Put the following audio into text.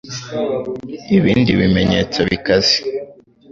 Ibindi bimenyetso bikaze :